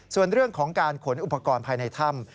ส่วนเรื่องของการขนอุปกรณ์ภายในถ้ำ